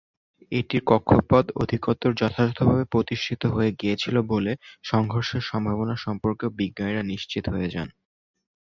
এটির কক্ষপথ অধিকতর যথাযথভাবে প্রতিষ্ঠিত হয়ে গিয়েছিল বলে সংঘর্ষের সম্ভাবনা সম্পর্কেও বিজ্ঞানীরা নিশ্চিত হয়ে যান।